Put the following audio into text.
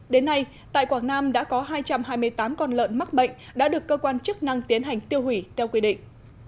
đến nay tại quảng nam đã có hai trăm hai mươi tám con lợn mắc bệnh đã được cơ quan chức năng tiến hành tiêu hủy theo quy định